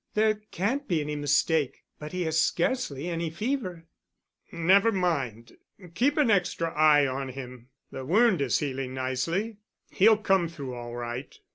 There can't be any mistake, but he has scarcely any fever——" "Never mind, keep an extra eye on him. The wound is healing nicely. He'll come through all right."